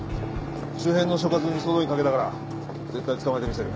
周辺の所轄に総動員かけたから絶対捕まえてみせる。